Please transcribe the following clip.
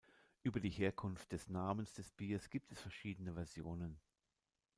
Über die Herkunft des Namens des Biers gibt es verschiedene Versionen.